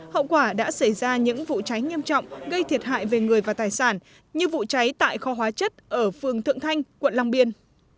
hậu quả đã xảy ra những vụ cháy nghiêm trọng gây thiệt hại về người và tài sản như vụ cháy tại kho hóa chất ở phường thượng thanh quận long biên